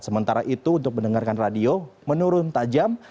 sementara itu untuk mendengarkan radio menurun tajam